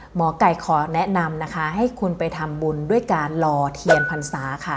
หมอไก่ขอแนะนำนะคะให้คุณไปทำบุญด้วยการรอเทียนพรรษาค่ะ